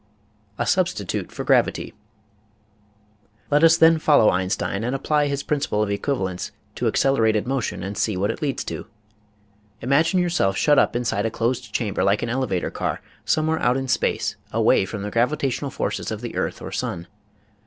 A SUBSTITUTE FOR GRAVITY Let us then follow Einstein and apply his Principle of Equivalence to accelerated motion and see what it leads to. Imagine yourself shut up inside a closed chamber, like an elevator car, somewhere out in space away from the gravitational forces of the earth or sun.